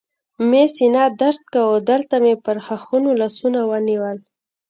مې سینه درد کاوه، دلته مې پر ښاخونو لاسونه ونیول.